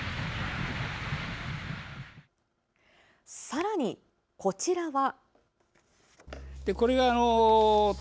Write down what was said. さらに、こちらは。